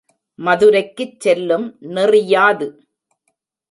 மதுரைக்குச் செல்லும் நெறியாது?